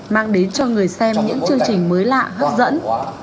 mang đến cho người xem những chương trình mới lạ hấp dẫn